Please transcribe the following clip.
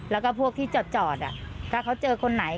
แล้วก็พวกที่จอดถ้าเขาเจอคนไหน